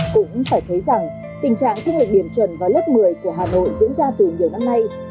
cũng phải thấy rằng tình trạng trưng lệch điểm chuẩn và lớp một mươi của hà nội diễn ra từ nhiều năm nay